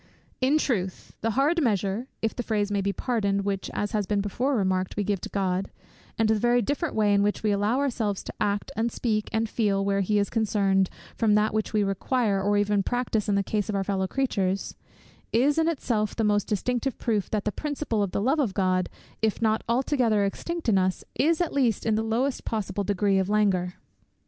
In truth, the hard measure, if the phrase may be pardoned, which, as has been before remarked, we give to God; and the very different way in which we allow ourselves to act, and speak, and feel, where he is concerned, from that which we require, or even practise in the case of our fellow creatures, is in itself the most decisive proof that the principle of the love of God, if not altogether extinct in us, is at least in the lowest possible degree of languor.